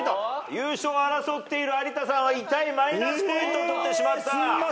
優勝を争っている有田さんは痛いマイナスポイントを取ってしまった。